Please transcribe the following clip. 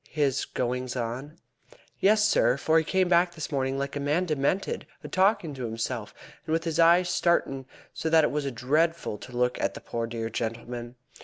"His goings on?" "Yes, sir; for he came back this morning like a man demented, a talkin' to himself, and with his eyes starin' so that it was dreadful to look at the poor dear gentleman.